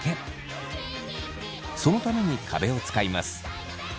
そのために壁を使います。